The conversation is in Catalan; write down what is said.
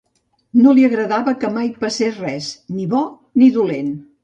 No li agradava que mai passés res, ni bò ni dolent